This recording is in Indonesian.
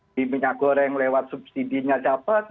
di minyak goreng lewat subsidinya dapat